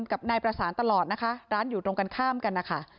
กับนายประสานตลอดนะคะร้านอยู่ตรงกันข้ามกันนะคะ